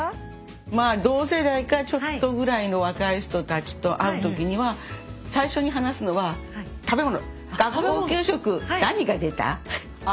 まあ同世代かちょっとぐらいの若い人たちと会う時には最初に話すのは食べ物。